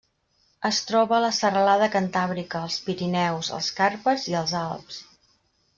Es troba a la Serralada cantàbrica, els Pirineus, els Carpats i els Alps.